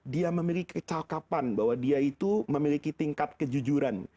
dia memiliki kecakapan bahwa dia itu memiliki tingkat kejujuran